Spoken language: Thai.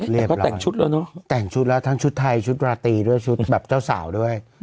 แต่ก็แต่งชุดแล้วเนอะแต่งชุดแล้วทั้งชุดไทยชุดราตรีด้วยชุดแบบเจ้าสาวด้วย